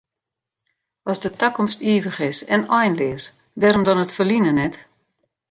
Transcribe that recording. As de takomst ivich is en einleas, wêrom dan it ferline net?